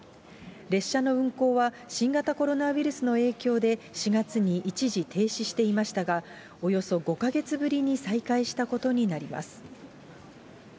列車の運行は新型コロナウイルスの影響で、４月に一時停止していましたが、およそ５か月ぶりに再開したことになります。